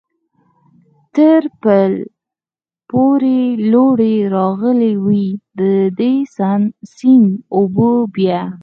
تر پل پورې لوړې راغلې وې، د دې سیند اوبه بیا.